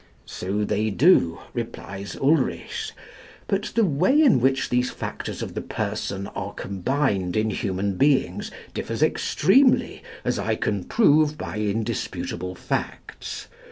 So they do, replies Ulrichs; but the way in which these factors of the person are combined in human beings differs extremely, as I can prove by indisputable facts.